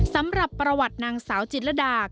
สำหรับประวัตินางสาวจิตรดา